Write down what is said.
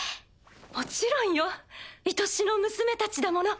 もちろんよ愛しの娘たちだもの。